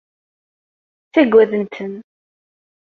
Ttagaden-ten.